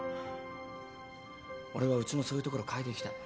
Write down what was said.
俺はうちのそういうところを変えていきたい。